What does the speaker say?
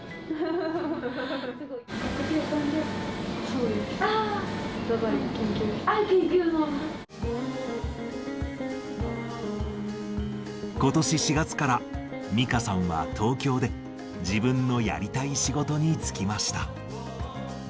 そうです。ことし４月から、ミカさんは東京で、自分のやりたい仕事に就きました。